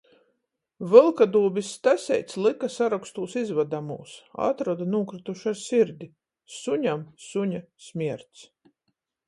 Vylkadūbis Staseits lyka sarokstūs izvadamūs. Atroda nūkrytušu ar sirdi. Suņam suņa smierts.